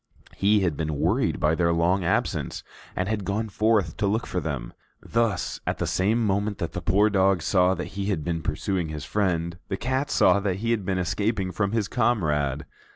He had been worried by their long absence and had gone forth to look for them. Thus, at the same moment that the poor dog saw that he had been pursuing his friend, the cat saw that he had been escaping from his comrade.